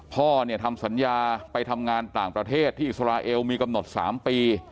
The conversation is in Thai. พ่อเนี่ยทำสัญญาไปทำงานต่างประเทศที่อิสราเอลมีกำหนด๓ปี